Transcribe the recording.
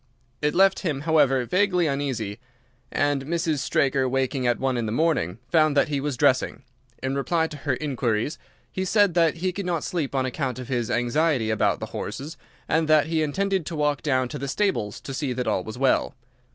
It left him, however, vaguely uneasy, and Mrs. Straker, waking at one in the morning, found that he was dressing. In reply to her inquiries, he said that he could not sleep on account of his anxiety about the horses, and that he intended to walk down to the stables to see that all was well.